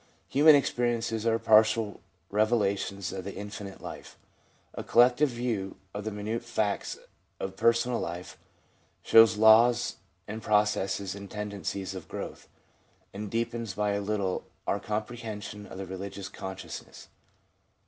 Human experiences are partial revelations of the infinite life. A collective view of the minute facts of personal life shows laws and processes and tendencies of growth, and deepens by a little our comprehension of the relgious consciousness.